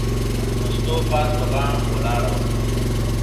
مستو پاس په بام ولاړه وه.